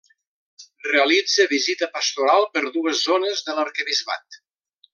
Realitza visita pastoral per dues zones de l'arquebisbat.